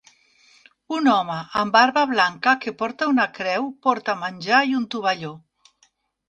Un home amb barba blanca que porta una creu porta menjar i un tovalló.